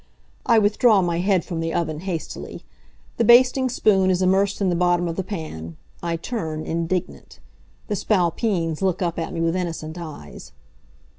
I withdraw my head from the oven, hastily. The basting spoon is immersed in the bottom of the pan. I turn, indignant. The Spalpeens look up at me with innocent eyes.